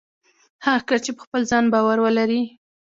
هغه کس چې په خپل ځان باور ولري